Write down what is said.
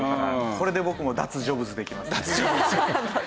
これで僕も脱ジョブズできます。